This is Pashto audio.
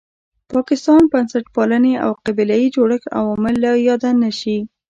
پاکستان، بنسټپالنې او قبیله یي جوړښت عوامل له یاده نه شي.